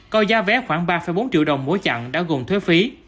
coi giá vé khoảng ba bốn triệu đồng mỗi chặng đã gồm thuế phí